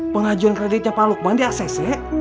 pengajuan kreditnya pak lukman di acc